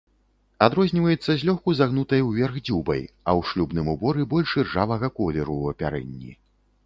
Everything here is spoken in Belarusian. Адрозніваецца злёгку загнутай уверх дзюбай, а ў шлюбным уборы больш іржавага колеру ў апярэнні.